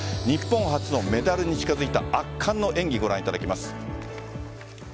日本初のメダルに近づいた圧巻の演技、ご覧いただきます。